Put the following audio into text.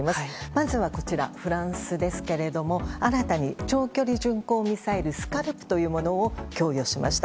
まずはフランスですが新たに長距離巡航ミサイルスカルプというのを供与しました。